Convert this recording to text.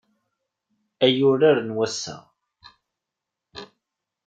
Ay urar n wass-a.